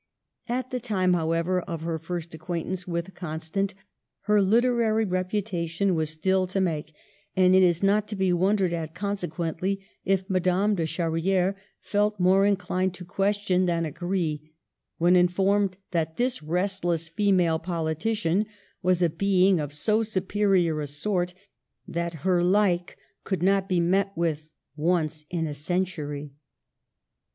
At the time, however, of her first acquaintance with Constant, her liter ary reputation was still to make, and it is not to be wondered at, consequently, if Madame de Charrifere felt more inclined to question than agree when informed that this restless female politician was a being of so superior a sort that her like could not be met with once in a century.